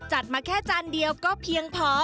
มาแค่จานเดียวก็เพียงพอ